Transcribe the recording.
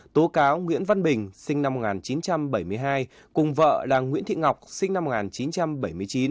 tố cáo nguyễn văn bình sinh năm một nghìn chín trăm bảy mươi hai cùng vợ là nguyễn thị ngọc sinh năm một nghìn chín trăm bảy mươi chín